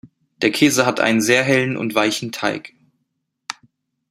Der Käse hat einen sehr hellen und weichen Teig.